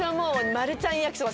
マルちゃん正麺。